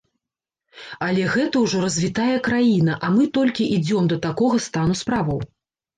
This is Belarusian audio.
Але гэта ўжо развітая краіна, а мы толькі ідзём да такога стану справаў.